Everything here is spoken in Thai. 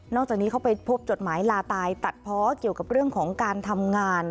จากนี้เขาไปพบจดหมายลาตายตัดเพาะเกี่ยวกับเรื่องของการทำงาน